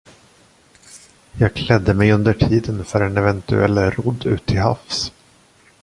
Jag klädde mig under tiden för en eventuell rodd ut till havs.